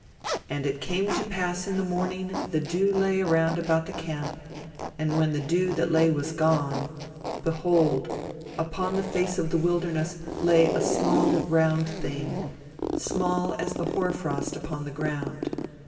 "And it came to pass in the morning the dew lay around about the camp; and when the dew that lay was gone, behold, upon the face of the wilderness lay a small round thing, small as the hoar frost upon the ground.